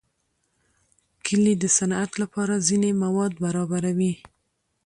کلي د صنعت لپاره ځینې مواد برابروي.